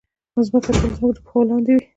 مځکه تل زموږ د پښو لاندې وي.